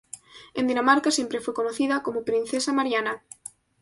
En Dinamarca siempre fue conocida como "Princesa Mariana".